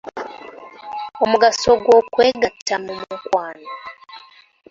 Omugaso gw'okwegatta mu mukwano.